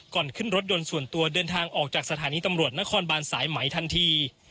ก่อนขึ้นรถยนต์ส่วนตัวเดินทางออกจากสถานีตำรวจนครบานสายไหมทันที